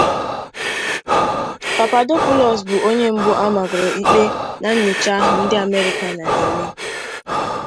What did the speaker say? Papadopoulos bụ onye mbụ a magoro ịkpe na nnyocha ahụ ndị Amerịka na-eme.